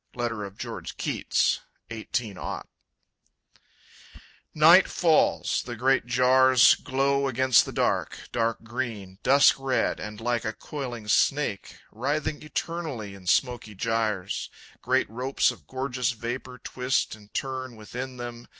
Letter of George Keats, 18 Night falls; the great jars glow against the dark, Dark green, dusk red, and, like a coiling snake, Writhing eternally in smoky gyres, Great ropes of gorgeous vapor twist and turn Within them.